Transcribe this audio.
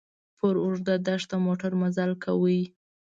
پر اوږده دښته موټر مزل کاوه.